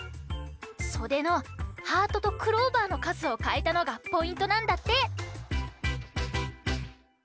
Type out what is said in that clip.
そでのハートとクローバーのかずをかえたのがポイントなんだって。